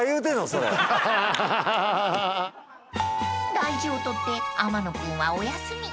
［大事を取って天野君はお休み］